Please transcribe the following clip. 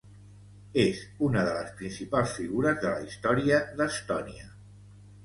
És una de les principals figures de la història d'Estònia.